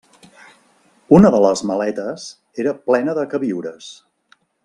Una de les maletes era plena de queviures.